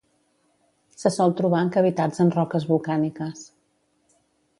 Se sol trobar en cavitats en roques volcàniques.